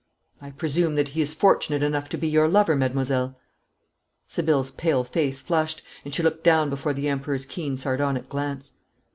'I presume that he is fortunate enough to be your lover, mademoiselle?' Sibylle's pale face flushed, and she looked down before the Emperor's keen sardonic glance.